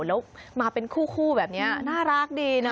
แล้วมาเป็นคู่แบบนี้น่ารักดีนะ